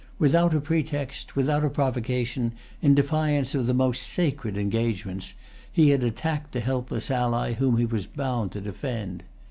Without a pretext, without a provocation, in defiance of the most sacred engagements, he had attacked the helpless ally whom he was bound to defend.